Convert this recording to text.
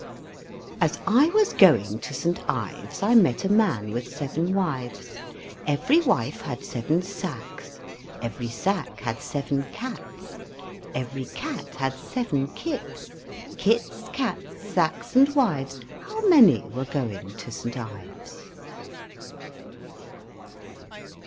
As I was going to St. Ives I met a man with seven wives; Every wife had seven sacks, Every sack had seven cats, Every cat had seven kits. Kits, cats, sacks, and wives, How many were going to St. Ives?